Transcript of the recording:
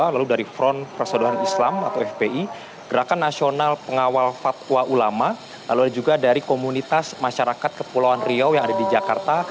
lalu dari front persaudahan islam atau fpi gerakan nasional pengawal fatwa ulama lalu juga dari komunitas masyarakat kepulauan riau yang ada di jakarta